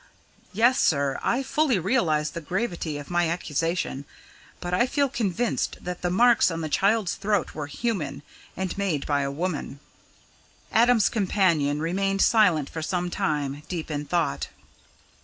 "Yes, sir, I fully realise the gravity of my accusation, but I feel convinced that the marks on the child's throat were human and made by a woman." Adam's companion remained silent for some time, deep in thought.